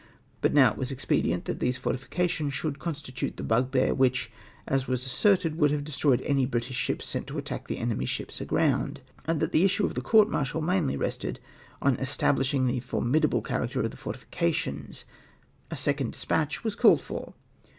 '' But now it was expedient that these fortifications should constitute the bugbear wliich, as was asserted, would have destroyed any British ships sent in to attack the enemy's ships aground ! and that the issue of the court martial mainly rested on establishing the formidable character of the fortifications, a second despatch was called for.